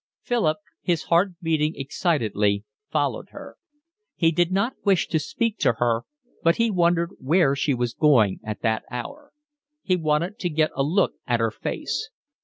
Philip, his heart beating excitedly, followed her. He did not wish to speak to her, but he wondered where she was going at that hour; he wanted to get a look at her face.